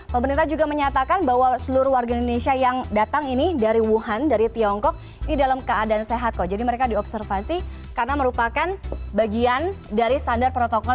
pemerintah juga menyatakan bahwa seluruh warga indonesia yang datang ini dari wuhan dari tiongkok ini dalam keadaan sehat kok jadi mereka diobservasi karena merupakan bagian dari standar protokol